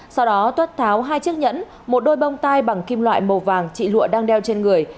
sau đó tuất tháo hai chiếc nhẫn một đôi bông tai bằng kim loại màu vàng chị lụa đang đeo trên người